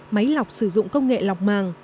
máy lọc sử dụng công nghệ lọc màng